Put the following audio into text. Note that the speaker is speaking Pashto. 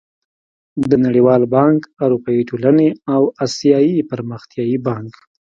د نړېوال بانک، اروپايي ټولنې او اسيايي پرمختيايي بانک